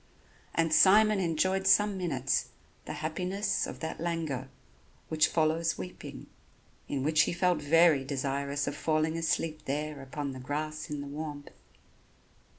And Simon enjoyed some minutes the happiness of that languor which follows weeping, in which he felt very desirous of falling asleep there upon the grass in the warmth.